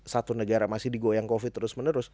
satu negara masih digoyang covid terus menerus